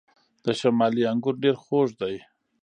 د شمالی انګور ډیر خوږ دي.